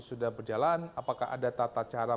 sudah berjalan apakah ada tata cara